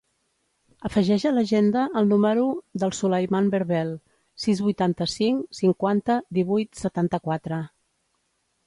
Afegeix a l'agenda el número del Sulaiman Berbel: sis, vuitanta-cinc, cinquanta, divuit, setanta-quatre.